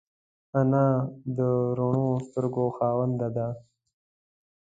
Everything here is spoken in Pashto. انا د روڼو سترګو خاوند ده